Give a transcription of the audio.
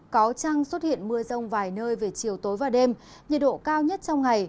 có trăng xuất hiện mưa rông vài nơi về chiều tối và đêm nhiệt độ cao nhất trong ngày